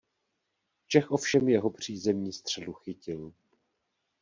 Čech ovšem jeho přízemní střelu chytil.